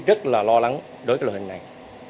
rất là lo lắng đối với loại hình này